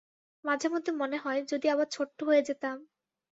মাঝে মধ্যে মনে হয়, যদি আবার ছোট্ট হয়ে যেতাম!